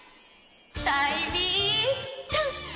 タイミーチャンス！